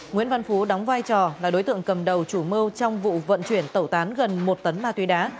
nguyễn văn phú đóng vai trò là đối tượng cầm đầu chủ mưu trong vụ vận chuyển tẩu tán gần một tấn ma túy đá